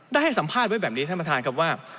ให้สัมภาษณ์ไว้แบบนี้ท่านประธานครับว่า